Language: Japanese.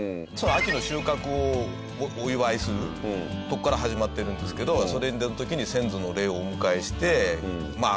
秋の収穫をお祝いするとこから始まってるんですけどそれの時に先祖の霊をお迎えしてまあ